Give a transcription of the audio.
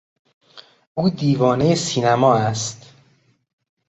او دیوانهی سینما است.